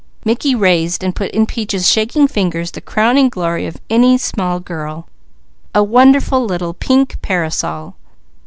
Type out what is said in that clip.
Mickey raised and put in Peaches' shaking fingers the crowning glory of any small girl: a wonderful little pink parasol.